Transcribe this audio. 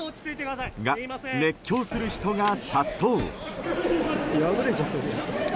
が、熱狂する人が殺到。